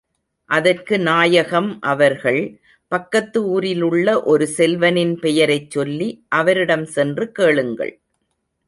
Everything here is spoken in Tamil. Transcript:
அதற்கு நாயகம் அவர்கள், பக்கத்து ஊரிலுள்ள ஒரு செல்வனின் பெயரைச் சொல்லி, அவரிடம் சென்று கேளுங்கள்.